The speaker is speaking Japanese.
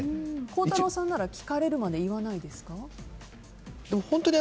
孝太郎さんなら聞かれるまで言わないですか？